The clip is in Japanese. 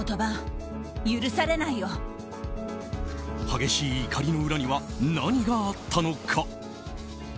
激しい怒りの裏には何があったのか。